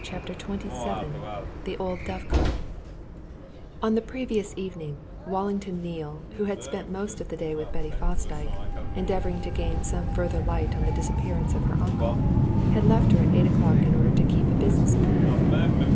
CHAPTER XXVII THE OLD DOVE COT On the previous evening, Wallington Neale, who had spent most of the day with Betty Fosdyke, endeavouring to gain some further light on the disappearance of her uncle, had left her at eight o'clock in order to keep a business appointment.